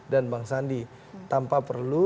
dan bang sandi tanpa perlu